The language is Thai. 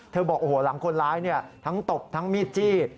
บอกโอ้โหหลังคนร้ายทั้งตบทั้งมีดจี้